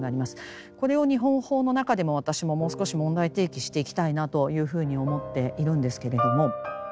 これを日本法の中でも私ももう少し問題提起していきたいなというふうに思っているんですけれども。